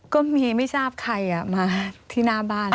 ก็มีไม่ทราบใครมาที่หน้าบ้าน